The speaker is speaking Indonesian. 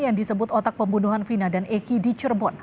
yang disebut otak pembunuhan vina dan eki di cirebon